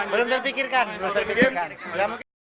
belum terpikirkan belum terpikirkan